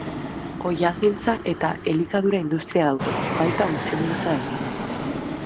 Oihalgintza eta elikadura-industria daude, baita ontzigintza ere.